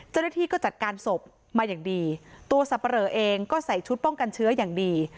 เจ้าหน้าที่ก็จัดการศพมาอย่างดีตัวสับปะเหลอเองก็ใส่ชุดป้องกันเชื้ออย่างดี